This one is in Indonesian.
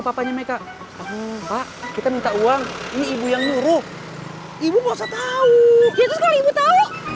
papanya meka pak kita minta uang ini ibu yang nuruh ibu nggak usah tahu ya itu sekali ibu tahu